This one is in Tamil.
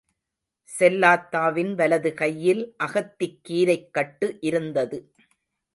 செல்லாத்தாவின் வலது கையில் அகத்திக்கீரைக் கட்டு இருந்தது.